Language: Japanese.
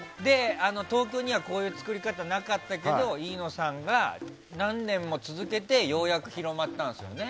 東京にはこういう作り方なかったけど飯野さんが何年も続けてようやく広まったんですよね。